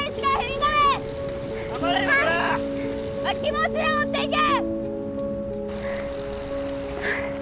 気持ちを持っていけ！